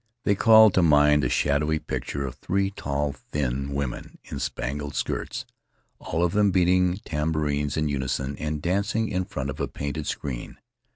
They called to mind a shadowy picture of three tall, thin women in spangled skirts, all of them beating tambourines in unison and dancing in front of a painted screen.